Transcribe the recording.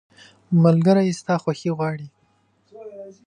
ملګری ستا خوښي غواړي.